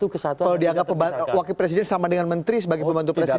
kalau dianggap wakil presiden sama dengan menteri sebagai pembantu presiden